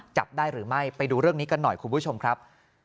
จับได้หรือไม่ไปดูเรื่องนี้กันหน่อยคุณผู้ชมครับ